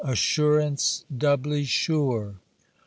ASSURANCE DOUBLY SURE.